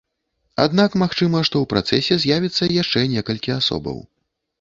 Аднак магчыма, што ў працэсе з'явіцца яшчэ некалькі асобаў.